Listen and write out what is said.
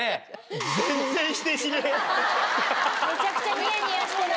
めちゃくちゃニヤニヤしてる。